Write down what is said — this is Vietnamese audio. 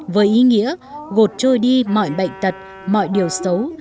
với ý nghĩa gột trôi đi mọi bệnh tật mọi điều xả mọi điều xả